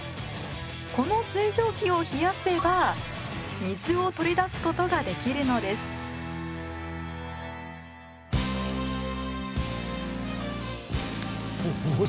この水蒸気を冷やせば水を取り出すことができるのですおおい